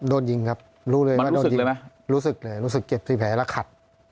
โดนยิงครับรู้เลยมันรู้สึกเลยไหมรู้สึกเลยรู้สึกเก็บที่แผลแล้วขัด